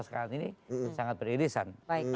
sekarang ini sangat beririsan